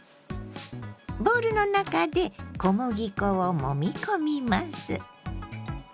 ボウルの中で小麦粉をもみ込みます。